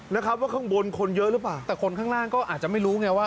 นี่ครับคุณผู้ชมฮะ